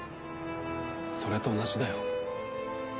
それと同じだよ。